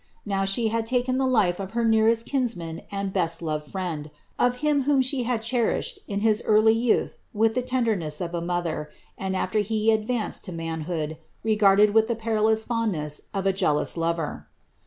Now she had taken the life of her nearest kinsman and best loved friend, of him whom she had cherished in his early youth with the tenderness of a mother, and, after he advanced to manhood, regarded with the perilous fondness of a jealous lover.